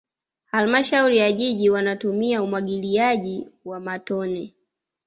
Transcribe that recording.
halmashauri ya jiji wanatumia umwagiliaji wa matone